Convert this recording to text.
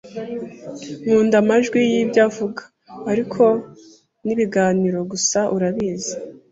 Nkunda amajwi y'ibyo avuga, ariko ni ibiganiro gusa, urabizi.